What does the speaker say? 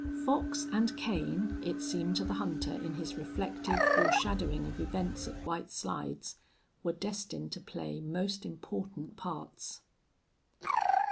Fox and Kane, it seemed to the hunter in his reflective foreshadowing of events at White Slides, were destined to play most important parts.